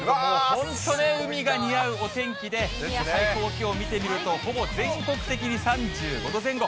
本当ね、海が似合うお天気で、最高気温見てみると、ほぼ全国的に３５度前後。